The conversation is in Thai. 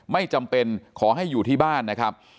ไม่จำเป็นขอให้อยู่ที่บ้านนะครับ